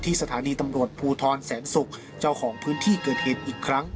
สถานีตำรวจภูทรแสนศุกร์เจ้าของพื้นที่เกิดเหตุอีกครั้ง